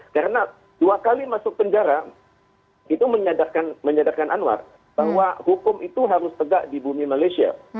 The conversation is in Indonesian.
karena dua kali masuk penjara itu menyadarkan anwar bahwa hukum itu harus tegak di bumi malaysia